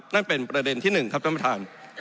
นั่นเป็นประเด็นที่๑ครับท่านประธาน